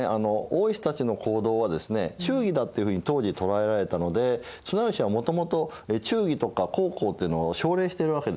大石たちの行動はですね忠義だっていうふうに当時捉えられたので綱吉はもともと忠義とか孝行っていうのを奨励しているわけですよね。